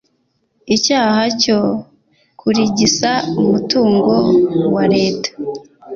icyaha cyo kurigisa umutungo wa leta